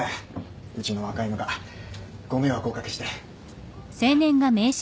うちの若いのがご迷惑をお掛けして。